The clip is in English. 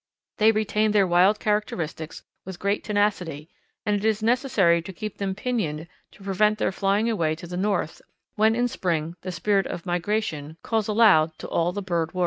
They retain their wild characteristics with great tenacity and it is necessary to keep them pinioned to prevent their flying away to the North when in spring the spirit of migration calls aloud to all the bird world.